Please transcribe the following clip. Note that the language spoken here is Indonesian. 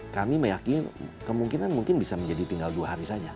kami meyakini kemungkinan mungkin bisa menjadi tinggal dua hari saja